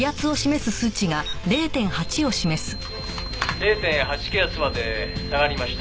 「０．８気圧まで下がりました」